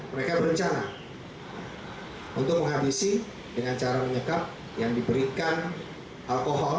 mereka berencana untuk menghabisi dengan cara menyekap yang diberikan alkohol